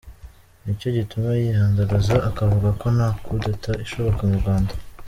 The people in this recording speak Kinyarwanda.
Ni cyo gituma yihandagaza akavuga ko nta Coup d’etat ishoboka mu Rwanda.